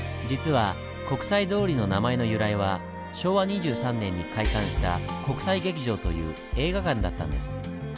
実は国際通りの名前の由来は昭和２３年に開館した「国際劇場」という映画館だったんです。